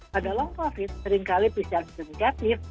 pada long covid seringkali bisa disengkatin